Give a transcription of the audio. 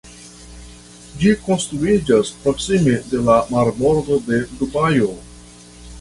Ĝi konstruiĝas proksime de la marbordo de Dubajo.